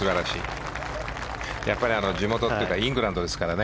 地元というかイングランドですからね。